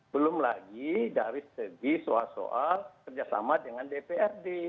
belum lagi dari segi soal soal kerjasama dengan dprd